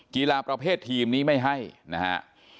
กีฬาประเภททีมนี้ไม่ให้นะฮะ